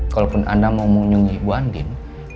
kalaupun anda mau nyungi bu andin